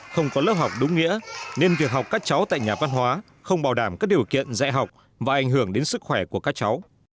không có lớp học đúng nghĩa nên việc học các cháu tại nhà văn hóa không bảo đảm các điều kiện dạy học và ảnh hưởng đến sức khỏe của các cháu